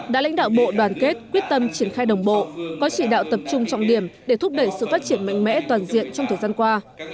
đã lãnh đạo bộ đoàn kết quyết tâm triển khai đồng bộ có chỉ đạo tập trung trọng điểm để thúc đẩy sự phát triển mạnh mẽ toàn diện trong thời gian qua